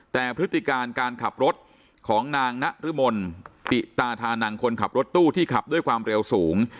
แต่พฤติการการขับรถของนางนรมนติตาธานังคนขับรถตู้ที่ขับด้วยความเร็วสูง